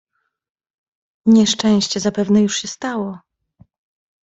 "Nieszczęście zapewne już się stało."